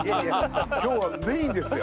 今日はメインですよ。